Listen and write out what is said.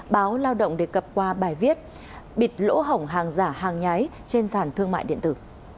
báo lao động đề cập qua bài viết bịt lỗ hỏng hàng giả hàng nhái trên sàn thương mại điện tử